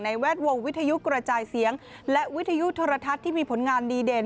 แวดวงวิทยุกระจายเสียงและวิทยุโทรทัศน์ที่มีผลงานดีเด่น